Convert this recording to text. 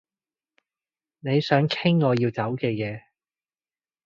你想傾我要走嘅嘢